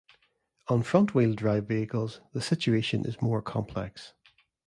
On front wheel drive vehicles, the situation is more complex.